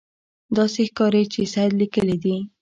داسې ښکاري چې سید لیکلي دي.